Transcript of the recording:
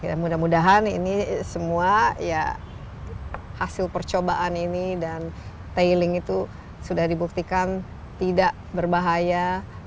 ya mudah mudahan ini semua ya hasil percobaan ini dan tailing itu sudah dibuktikan tidak berbahaya